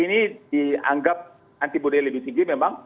ini dianggap antibody lebih tinggi memang